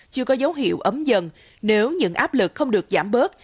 chưa có dấu hiệu ấm dần nếu những áp lực không được giảm bớt